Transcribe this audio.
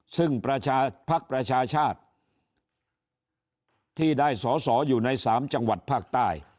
ซึ่งภาคประชาชาติที่ได้สอสออยู่ในสามจังหวัดประเภท